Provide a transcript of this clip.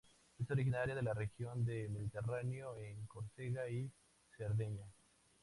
Es originaria de la región del Mediterráneo en Córcega y Cerdeña.